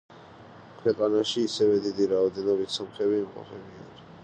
ქვეყანაში ასევე დიდი რაოდენობით სომხები იმყოფებიან.